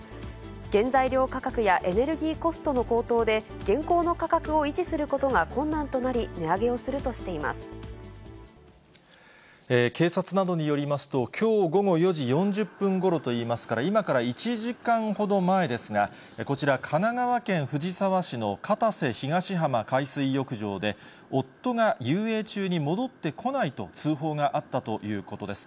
原材料価格やエネルギーコストの高騰で、現行の価格を維持することが困難となり、値上げをするとしていま警察などによりますと、きょう午後４時４０分ごろといいますから、今から１時間ほど前ですが、こちら、神奈川県藤沢市の片瀬東浜海水浴場で、夫が遊泳中に戻ってこないと、通報があったということです。